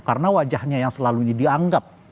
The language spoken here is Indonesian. karena wajahnya yang selalu ini dianggap